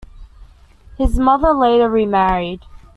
His mother later remarried.